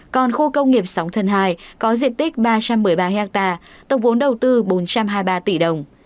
còn khu công nghiệp sóng thần hai có diện tích ba trăm một mươi ba ha tổng vốn đầu tư bốn trăm hai mươi ba tỷ đồng